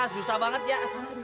susah banget ya